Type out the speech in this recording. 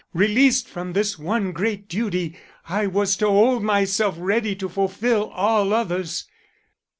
Released from this one great duty, I was to hold myself ready to fulfil all others.